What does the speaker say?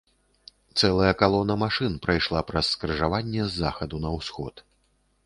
Цэлая калона машын прайшла праз скрыжаванне з захаду на ўсход.